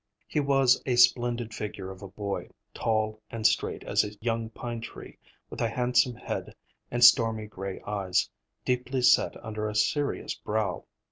He was a splendid figure of a boy, tall and straight as a young pine tree, with a handsome head, and stormy gray eyes, deeply set under a serious brow.